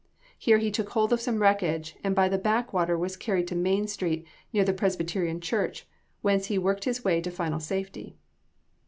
Here he took hold of some wreckage, and by the backwater was carried to Main street, near the Presbyterian church, whence he worked his way to final safety.